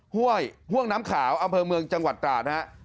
ห้วยห่วงน้ำขาวอำเภอเมืองจังหวัดตราดฮะ